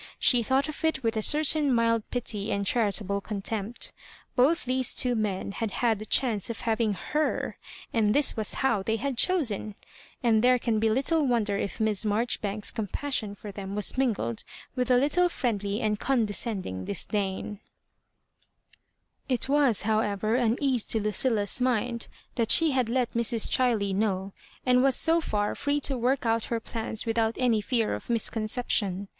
She thought of it with a certain mild pity and charitable contempt Both these two men had had the chance of having her^ and this was how they had chosen 1 And there can be little wonder if Miss Marjoribaoks's compassion for them was mingled with a little friendly and condescending disdam. It was, however, an ease to Lucilla's mind that she had let Mrs. Chiley know, and was so far free to work out her plans without any fear of misconception.